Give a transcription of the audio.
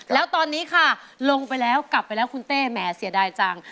แล้วตอนนี้ค่ะลงไปแล้วกลับไปแล้วคุณเต้แหมเสียดายจัง